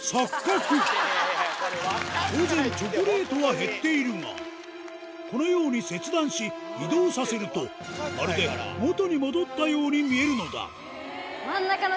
当然チョコレートは減っているがこのように切断し移動させるとまるで元に戻ったように見えるのだどうなの？